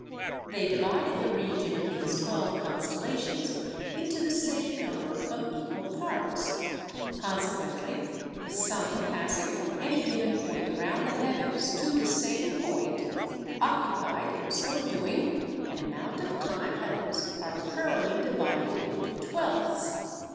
They divided the region of these twelve constellations into the same number of equal parts; consequently, the sun passing from any given point around the heavens to the same point, occupied in so doing an amount of time that was arbitrarily divided into twelfths.